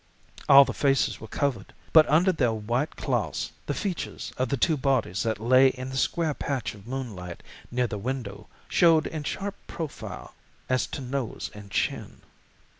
All the faces were covered, but under their white cloths the features of the two bodies that lay in the square patch of moonlight near the window showed in sharp profile as to nose and chin.